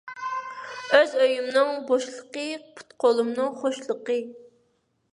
ئۆز ئۆيۈمنىڭ بوشلۇقى، پۇت – قولۇمنىڭ خوشلۇقى.